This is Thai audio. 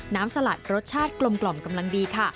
สลัดรสชาติกลมกำลังดีค่ะ